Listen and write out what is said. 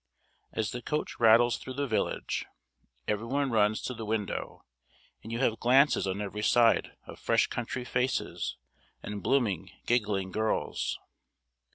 As the coach rattles through the village, every one runs to the window, and you have glances on every side of fresh country faces, and blooming giggling girls.